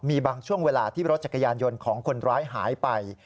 มีบางช่วงเวลาที่รถจักรยานยนต์ของคนร้ายหายไป